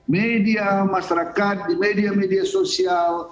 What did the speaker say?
media masyarakat di media media sosial